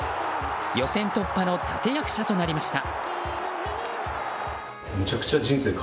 予選突破の立役者となりました。